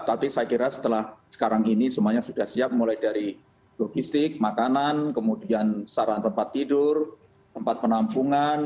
tapi saya kira setelah sekarang ini semuanya sudah siap mulai dari logistik makanan kemudian saran tempat tidur tempat penampungan